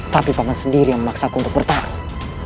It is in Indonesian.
tapi paman sendiri yang memaksaku untuk bertaruh